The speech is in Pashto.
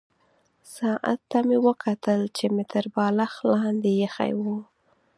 ساعت ته مې وکتل چې مې تر بالښت لاندې ایښی وو.